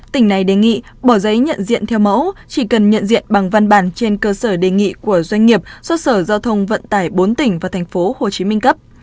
tỉnh này đề nghị bỏ giấy nhận diện theo mẫu chỉ cần nhận diện bằng văn bản trên cơ sở đề nghị của doanh nghiệp do sở giao thông vận tải bốn tỉnh và tp hcm cấp